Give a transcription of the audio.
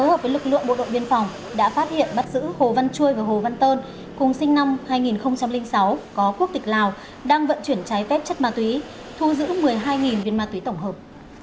hợp với lực lượng bộ đội biên phòng đã phát hiện bắt giữ hồ văn chuôi và hồ văn tơn cùng sinh năm hai nghìn sáu có quốc tịch lào đang vận chuyển trái phép chất ma túy thu giữ một mươi hai viên ma túy tổng hợp